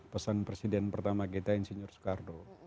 pesan presiden pertama kita insinyur soekarno